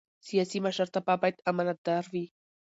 سیاسي مشرتابه باید امانتدار وي